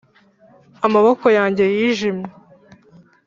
amaboko yanjye yijimye!